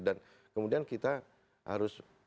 dan kemudian kita harus